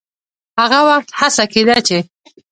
هغه وخت هڅه کېده چې